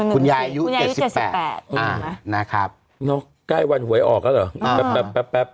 ๑๔คุณยายู้๗๘นะครับใกล้วันหวยออกแล้วหรือ